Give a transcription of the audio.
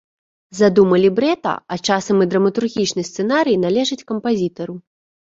Задума лібрэта, а часам і драматургічны сцэнарый належаць кампазітару.